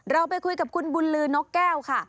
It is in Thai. เราไปคุยกับคุณบุญลือนกแก้วค่ะ